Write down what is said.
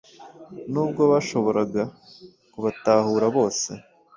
nubwo bashoboraga kubatahura bose